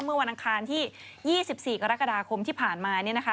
เมื่อวันอังคารที่๒๔กรกฎาคมที่ผ่านมา